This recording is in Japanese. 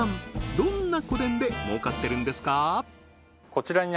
どんな個電で儲かってるんですか？